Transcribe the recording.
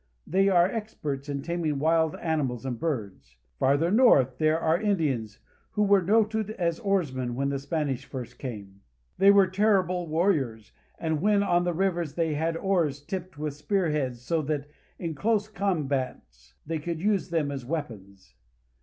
They are experts in taming wild animals and birds. Farther north there are Indians who were noted as oarsmen when the Spanish 238 PARAGUAY. first came. They were terrible warriors, and when on the rivers they had oars tipped with spearheads, so that in close combats they could use them as weapons.